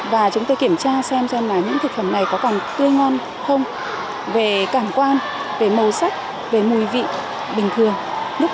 và chúng tôi kiểm tra xem xem là những thực phẩm này có còn tươi ngon không về cảm quan về màu sắc về mùi vị bình thường